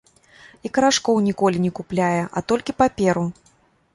І карашкоў ніколі не купляе, а толькі паперу.